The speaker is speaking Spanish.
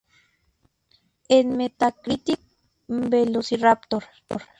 En Metacritic, "Velociraptor!